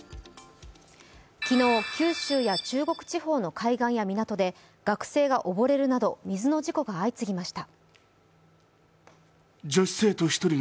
昨日、九州や中国地方の海岸などで学生が溺れるなど水の事故がお相次ぎました。